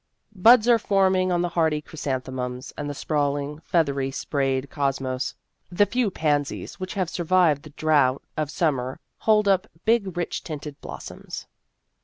Buds are forming on the hardy chrysanthemums and the sprawling, feath ery sprayed cosmos. The few pansies which have survived the drought of sum mer hold up big rich tinted blossoms.